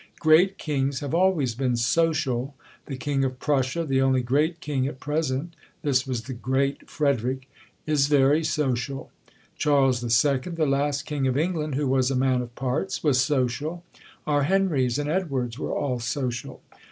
Great kings have always been social. The King of Prussia, the only great king at present (this was THE GREAT Frederic) is very social. Charles the Second, the last king of England who was a man of parts, was social; our Henries and Edwards were all social."